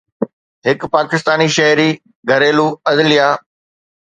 هڪ پاڪستاني شهري گهريلو عدليه